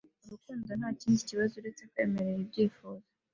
Urukundo ntakindi kibazo uretse kwemerera ibyifuzo